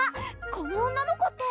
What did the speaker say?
この女の子って！